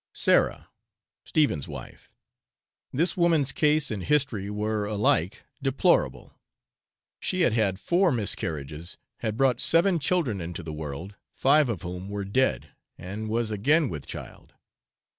Sarah, Stephen's wife, this woman's case and history were, alike, deplorable, she had had four miscarriages, had brought seven children into the world, five of whom were dead, and was again with child.